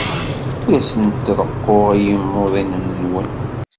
Ur asen-reqquɣ i yimuḍinen-nwen.